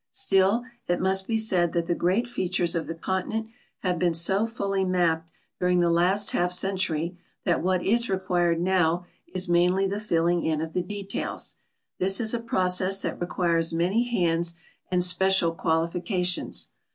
Still, it must be said that the great features of the continent have l)een so fully mapped during the last half century that what is reiiuired now 256 THE UNMAPPED AREAS ON THE EARTH'S SURFACE is mainly the filling in of the details. This is a process that re quires many hands and special qualifications.